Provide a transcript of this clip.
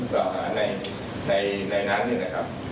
กล่าวหาในนั้นเนี่ยนะครับ